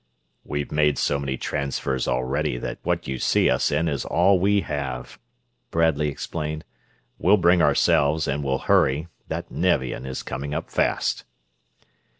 "We've made so many transfers already that what you see us in is all we have," Bradley explained. "We'll bring ourselves, and we'll hurry; that Nevian is coming up fast."